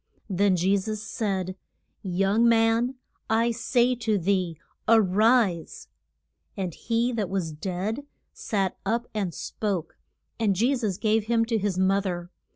Then Je sus said, Young man, I say to thee a rise. And he that was dead sat up and spoke. And Je sus gave him to his mo ther.